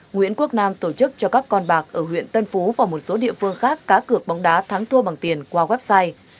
nguyễn quốc nam tổ chức cho các con bạc ở huyện tân phú và một số địa phương khác cá cược bóng đá thắng thua bằng tiền qua website